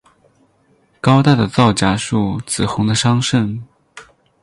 高大的皂荚树，紫红的桑葚